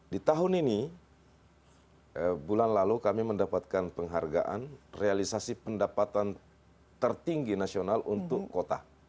di tahun ini bulan lalu kami mendapatkan penghargaan realisasi pendapatan tertinggi nasional untuk kota